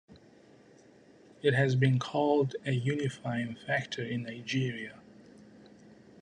It has been called a unifying factor in Nigeria.